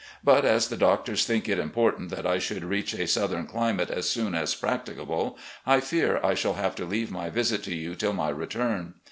But as the doctors think it important that I should reach a 386 RECOLLECTIONS OP GENERAL LEE southern climate as soon as practicable, I fear I shall have to leave my visit to you till my return.